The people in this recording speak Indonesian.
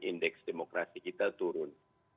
indeks demokrasi kita turun